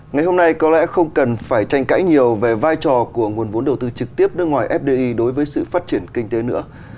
ngày hôm nay có lẽ không cần phải tranh cãi nhiều về vai trò của nguồn vốn đầu tư trực tiếp nước ngoài fdi đối với sự phát triển kinh tế nữa